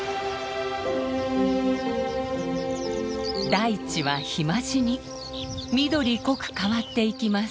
大地は日増しに緑濃く変わっていきます。